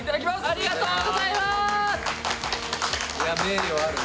ありがとうございますねっいや